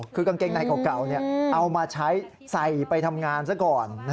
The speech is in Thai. คือกางเกงในเก่าเอามาใช้ใส่ไปทำงานซะก่อน